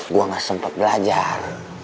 gue gak sempet belajar